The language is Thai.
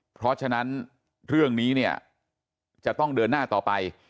เพราะฉะนั้นเรื่องนี้เนี่ยจะต้องเดินหน้าต่อไป